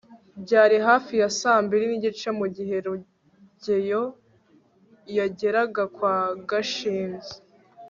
byari hafi ya saa mbiri n'igice mugihe rugeyo yageraga kwa gashinzi